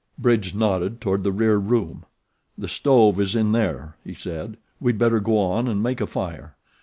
Bridge nodded toward the rear room. "The stove is in there," he said. "We'd better go on and make a fire.